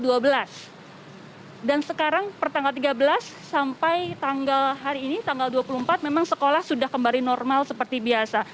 dan sekarang per tanggal tiga belas sampai tanggal hari ini tanggal dua puluh empat memang sekolah sudah kembali normal seperti biasa